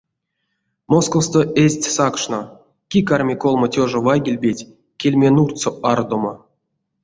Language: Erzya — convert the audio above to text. Московсто эзть сакшно: кие карми колмо тёжа вайгельпеть кельме нурдсо ардомо?